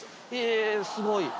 えすごい！